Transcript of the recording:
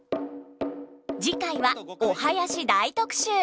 次回はお囃子大特集。